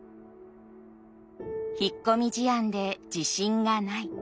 引っ込み思案で自信がない。